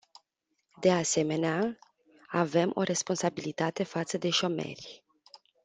De asemenea, avem o responsabilitate față de șomeri.